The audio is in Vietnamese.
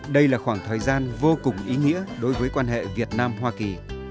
đây là khoảng thời gian vô cùng ý nghĩa đối với quan hệ việt nam hoa kỳ